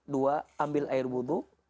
dua ambil air budu